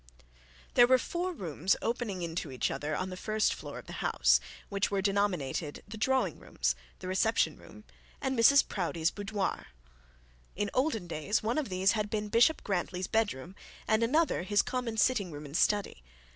There were four rooms opening into each other on the first floor of the house, which were denominated the drawing rooms, the reception room, and Mrs Proudie's boudoir. In olden days one of these had been Bishop Grantly's bed room, and another his common, sitting room and study.